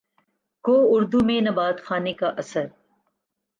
کو اردو میں نبات خانے کا اثر